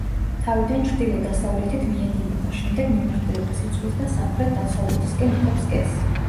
თავიდან ჩრდილო-დასავლეთით მიედინება, შემდეგ მიმართულებას იცვლის და სამხრეთ-დასავლეთისკენ იღებს გეზს.